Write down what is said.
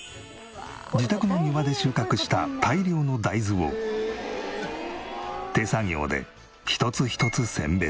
自宅の庭で収穫した大量の大豆を手作業で一つ一つ選別。